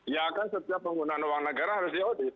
ya kan setiap penggunaan uang negara harus di audit